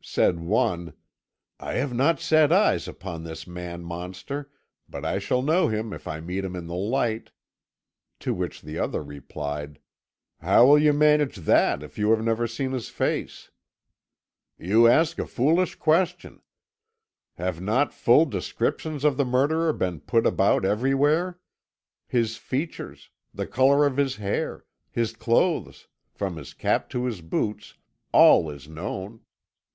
Said one: "I have not set eyes upon this man monster, but I shall know him if I meet him in the light." To which the other replied: "How will you manage that, if you have never seen his face?" "You ask a foolish question. Have not full descriptions of the murderer been put about everywhere? His features, the colour of his hair, his clothes, from his cap to his boots all is known.